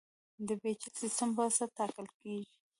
د پېچلي سیستم په واسطه ټاکل کېږي.